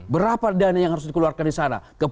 berapa dana yang harus dikeluarkan disana